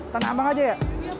tanah abang aja ya